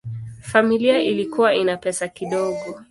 Familia ilikuwa ina pesa kidogo.